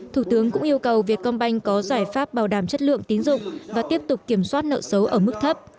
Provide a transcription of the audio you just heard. thủ tướng cũng yêu cầu việt công banh có giải pháp bảo đảm chất lượng tín dụng và tiếp tục kiểm soát nợ xấu ở mức thấp